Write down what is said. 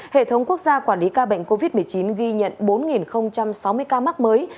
hệ thống quốc gia quản lý ca bệnh covid một mươi chín ghi nhận bốn sáu mươi ca mắc mới